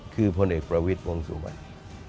คือพลเอกประวิทย์วงสุวรรณ